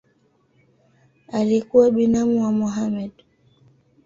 Alikuwa binamu wa Mohamed.